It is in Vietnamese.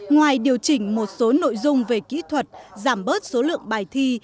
ngoài điều chỉnh một số nội dung về kỹ thuật giảm bớt số lượng bài thi